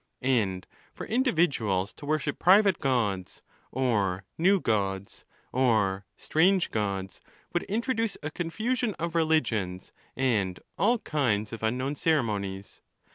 And for individuals to worship private gods, or new gods, or strange gods, would introduce a confusion of religions, and all kinds of unknown ceremonies.